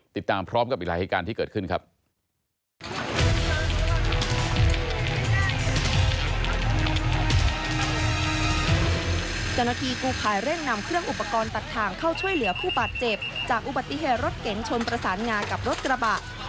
ติดตามพร้อมกับอีกหลายเหตุการณ์ที่เกิดขึ้นครับ